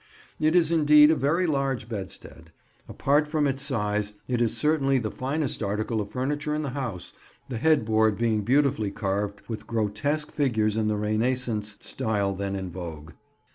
It is indeed a very large bedstead. Apart from its size, it is certainly the finest article of furniture in the house, the headboard being beautifully carved with grotesque figures in the Renascence style then in vogue.